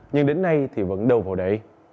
nhưng đến nay thì vẫn đâu vào để